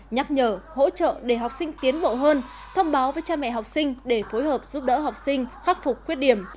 nhắc nhở hỗ trợ để học sinh tiến bộ hơn thông báo với cha mẹ học sinh để phối hợp giúp đỡ học sinh khắc phục khuyết điểm